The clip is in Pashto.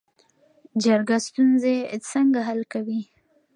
جرګه ستونزې څنګه حل کوي؟